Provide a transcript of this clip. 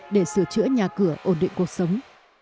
để sửa chữa nhà cửa ổn định cuộc sống